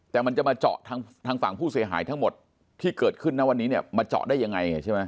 แต่มันจะมาเจาะทางฝั่งผู้เสียหายทั้งหมดที่เกิดขึ้นนะวันนี้เนี่ยมาเจาะได้ยังไงใช่ไหม